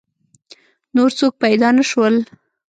نور څوک پیدا نه شول.